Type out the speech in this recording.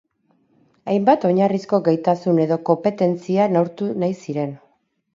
Hainbat oinarrizko gaitasun edo konpetentzia neurtu nahi ziren.